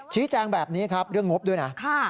ชี้แจงแบบนี้ครับเรื่องงบด้วยนะ